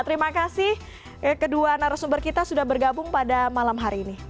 terima kasih kedua narasumber kita sudah bergabung pada malam hari ini